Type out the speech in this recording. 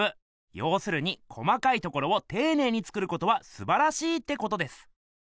ようするに細かいところをていねいに作ることはすばらしいってことです。